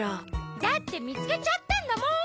だってみつけちゃったんだもん。